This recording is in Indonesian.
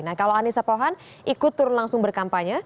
nah kalau anissa pohan ikut turun langsung berkampanye